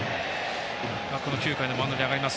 この９回のマウンドに上がります。